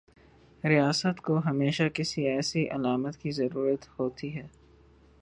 ریاست کو ہمیشہ کسی ایسی علامت کی ضرورت ہوتی ہے۔